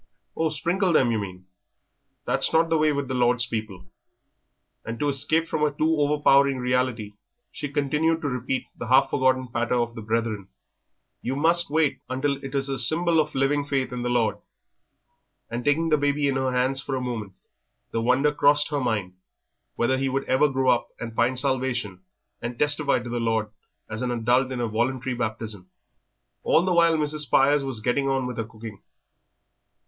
"Oh, sprinkle them, you mean. That's not the way with the Lord's people;" and to escape from a too overpowering reality she continued to repeat the half forgotten patter of the Brethren, "You must wait until it is a symbol of living faith in the Lord!" And taking the baby in her hands for a moment, the wonder crossed her mind whether he would ever grow up and find salvation and testify to the Lord as an adult in voluntary baptism. All the while Mrs. Spires was getting on with her cooking.